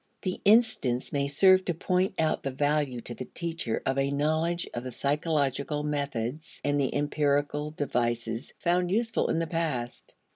The instance may serve to point out the value to the teacher of a knowledge of the psychological methods and the empirical devices found useful in the past.